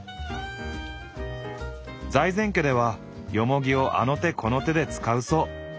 財前家ではよもぎをあの手この手で使うそう。